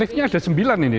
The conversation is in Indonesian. liftnya ada sembilan ini